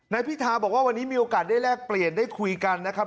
พิธาบอกว่าวันนี้มีโอกาสได้แลกเปลี่ยนได้คุยกันนะครับ